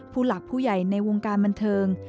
ผู้หลักผู้ใหญ่ในวงการบันเทิง